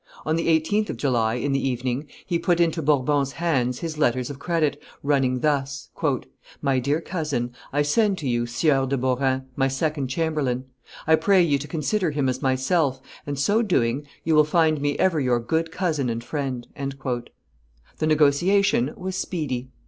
On the 18th of July, in the evening, he put into Bourbon's hands his letters of credit, running thus: "My dear cousin, I send to you Sieur de Beaurain, my second chamberlain. I pray you to consider him as myself, and, so doing, you will find me ever your good cousin and friend." The negotiation was speedy.